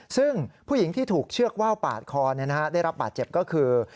ซึ่งผู้หญิงที่ถูกเชือกว่าวปาดคอได้รับบาดเจ็บก็คือ